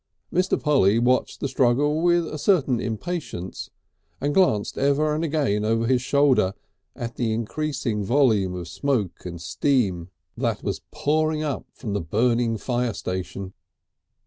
Mr. Polly watched the struggle with a certain impatience, and glanced ever and again over his shoulder at the increasing volume of smoke and steam that was pouring up from the burning fire station.